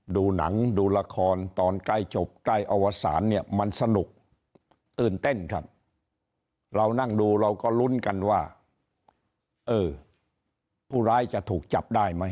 ดูหนังดูละครตอนใกล้จบใกล้อวสารเนี่ยมันสนุกอื่นเต้นครับ